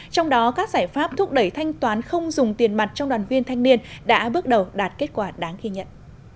trong đó các giải pháp thúc đẩy thanh toán không dùng tiền mặt trong đoàn viên thanh niên đã bước đầu đạt kết quả đáng ghi nhận